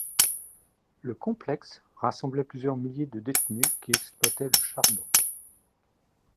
Le complexe rassemblait plusieurs milliers de détenus qui exploitaient le charbon.